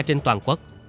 trên toàn quốc